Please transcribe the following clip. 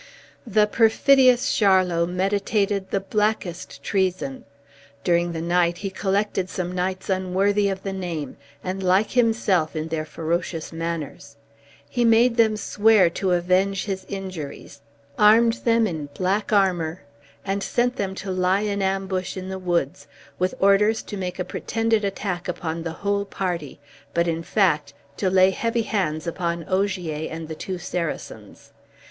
The perfidious Charlot meditated the blackest treason. During the night he collected some knights unworthy of the name, and like himself in their ferocious manners; he made them swear to avenge his injuries, armed them in black armor, and sent them to lie in ambush in the wood, with orders to make a pretended attack upon the whole party, but in fact, to lay heavy hands upon Ogier and the two Saracens.